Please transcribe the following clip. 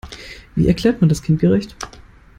Wie erklärt man das kindgerecht?